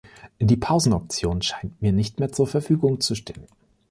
Die Pausenoption scheint mir nicht mehr zur Verfügung zu stehen.